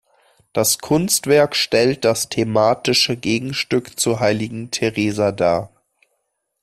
Das Kunstwerk stellt das thematische Gegenstück zur heiligen Theresa dar.